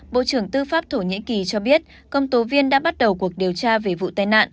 bộ trưởng tư pháp thổ nhĩ kỳ cho biết công tố viên đã bắt đầu cuộc điều tra về vụ tai nạn